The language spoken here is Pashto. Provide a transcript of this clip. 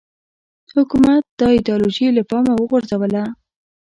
حکومت دا ایدیالوژي له پامه وغورځوله